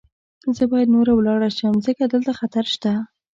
زه باید نوره ولاړه شم، ځکه دلته خطر شته.